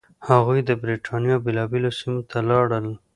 هغوی د برېټانیا بېلابېلو سیمو ته لاړل.